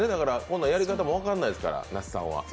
やり方も分からないですから、那須さんは。